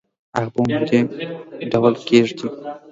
هغه په عمودي ډول کیږدئ.